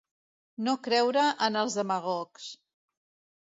No creure en els demagogs.